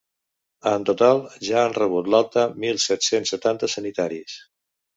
En total, ja han rebut l’alta mil set-cents setanta sanitaris.